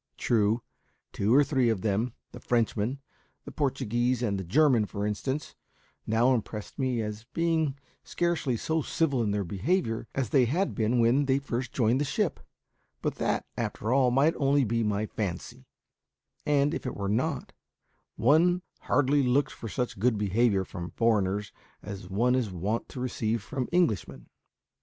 True, two or three of them the Frenchman, the Portuguese, and the German, for instance now impressed me as being scarcely so civil in their behaviour as they had been when they first joined the ship; but that, after all, might be only my fancy; and, if it were not, one hardly looks for such good behaviour from foreigners as one is wont to receive from Englishmen.